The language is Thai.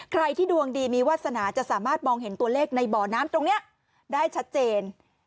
ใครที่ดวงดีมีวาสนาจะสามารถมองเห็นตัวเลขในบ่อน้ำตรงนี้ได้ชัดเจน